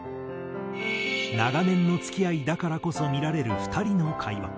長年の付き合いだからこそ見られる２人の会話。